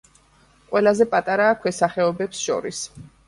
ყველაზე პატარაა ქვესახეობებს შორის.